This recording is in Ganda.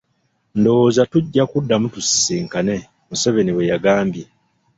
"Ndowooza tujja kuddamu tusisinkane.” Museveni bwe yagambye.